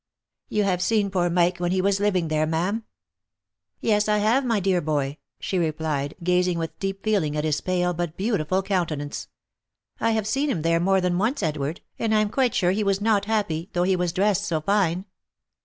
" You have seen poor Mike when he was living there, ma'am?" " Yes, I have, my dear boy," she replied, gazing with deep feeling at his pale, but beautiful countenance ;" I have seen him there more than once, Edward, and I am quite sure he was not happy, though he was dressed so fine."